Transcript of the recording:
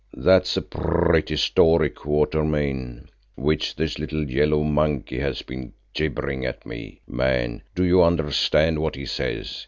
"That's a pretty story, Quatermain, which this little yellow monkey has been gibbering at me. Man, do you understand what he says?